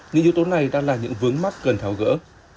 những yếu tố này đang là những vướng mắt cần tháo gỡ